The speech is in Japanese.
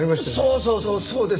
そうそうそうそうです！